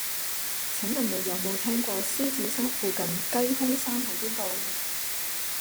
請問你有無聽過獅子山附近雞胸山喺邊度